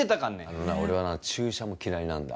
あのな俺はな注射も嫌いなんだ。